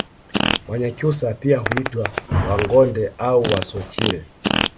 Wanyakyusa pia huitwa Wangonde au Wasochile